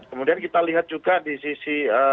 kemudian kita lihat juga di sisi